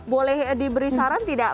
boleh diberi saran tidak